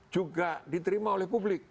juga diterima oleh publik